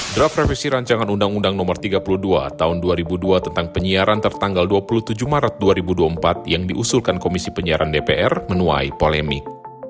draft revisi rancangan undang undang no tiga puluh dua tahun dua ribu dua tentang penyiaran tertanggal dua puluh tujuh maret dua ribu dua puluh empat yang diusulkan komisi penyiaran dpr menuai polemik